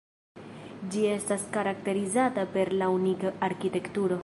Ĝi estas karakterizata per la unika arkitekturo.